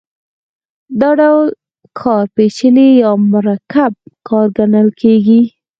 دا ډول کار پېچلی یا مرکب کار ګڼل کېږي